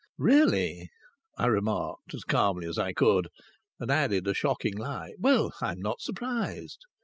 "Really!" I remarked, as calmly as I could, and added a shocking lie: "Well, I'm not surprised!"